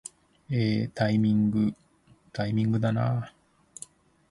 えータイミングー、タイミングだなー